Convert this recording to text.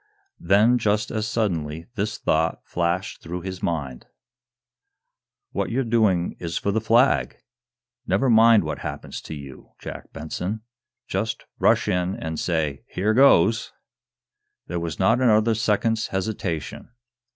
Then, just as suddenly, this thought flashed through his mind: "What you're doing is for the Flag! Never mind what happens to you, Jack Benson. Just rash in and say 'here goes'!" There was not another second's hesitation.